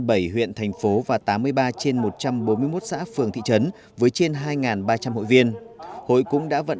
bảy huyện thành phố và tám mươi ba trên một trăm bốn mươi một xã phường thị trấn với trên hai ba trăm linh hội viên hội cũng đã vận